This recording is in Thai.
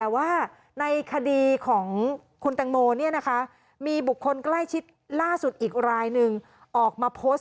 แต่ว่าในคดีของคุณแตงโมมีบุคคลใกล้ชิดล่าสุดอีกรายหนึ่งออกมาโพสต์